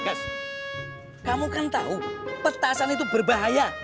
kamu kan tahu petasan itu berbahaya